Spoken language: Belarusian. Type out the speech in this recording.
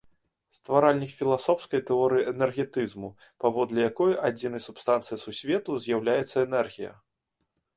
Стваральнік філасофскай тэорыі энергетызму, паводле якой адзінай субстанцыяй сусвету з'яўляецца энергія.